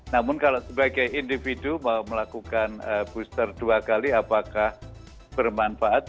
namun kalau sebagai individu mau melakukan booster dua kali apakah bermanfaat